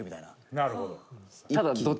なるほど。